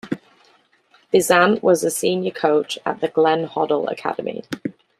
Beasant was a senior coach at the Glenn Hoddle Academy.